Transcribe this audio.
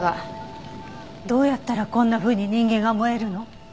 どうやったらこんなふうに人間が燃えるの？